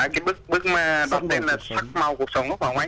cái bức đó tên là sắc màu cuộc sống đúng không anh